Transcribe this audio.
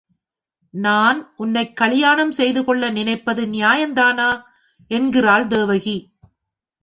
நான் உன்னைக் கல்யாணம் செய்து கொள்ள நினைப்பது நியாயந்தானா? என்கிறாள் தேவகி.